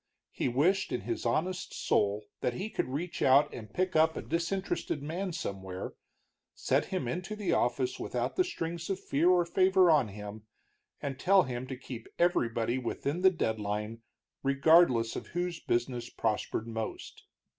He wished in his honest soul that he could reach out and pick up a disinterested man somewhere, set him into the office without the strings of fear or favor on him, and tell him to keep everybody within the deadline, regardless of whose business prospered most.